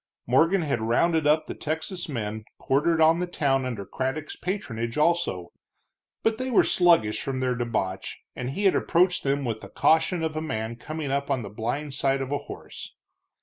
Morgan had rounded up the Texas men quartered on the town under Craddock's patronage, also, but they were sluggish from their debauch, and he had approached them with the caution of a man coming up on the blind side of a horse.